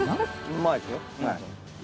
うまいっすよ。